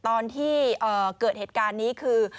ตอนที่เกิดเหตุการณ์นี้คือ